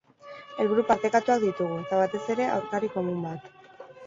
Helburu partekatuak ditugu, eta batez ere aurkari komun bat.